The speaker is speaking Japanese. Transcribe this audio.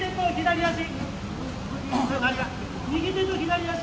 右手と左足。